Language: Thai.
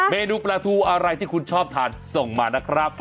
เมนูปลาทูอะไรที่คุณชอบทานส่งมานะครับ